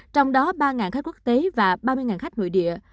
trong đó ba khách quốc tế và ba mươi khách nội địa